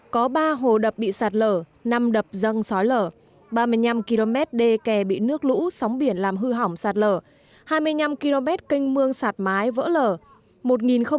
có ba hồ đập bị sạt lở năm đập dâng sói lở ba mươi năm km đê kè bị nước lũ sóng biển làm hư hỏng sạt lở hai mươi năm km canh mương sạt mái vỡ lở